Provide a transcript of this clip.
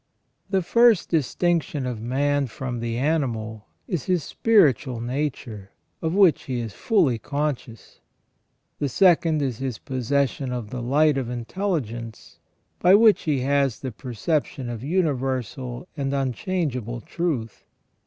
The first distinction of man from the animal is his spiritual nature, of which he is fully conscious. The second is his posses sion of the light of intelligence, by which he has the perception of universal and unchangeable truth.